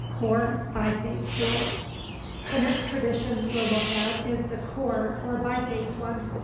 CORE BIFACE TOOLS The next tradition we'll look at is the core or biface one.